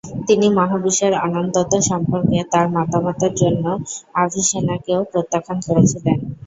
তিনি মহাবিশ্বের অনন্ততা সম্পর্কে তার মতামতের জন্য অ্যাভিসেনাকেও প্রত্যাখ্যান করেছিলেন।